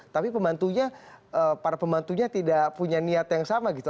tapi para pembantunya tidak punya niat yang sama gitu